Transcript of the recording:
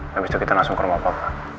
habis itu kita langsung ke rumah papa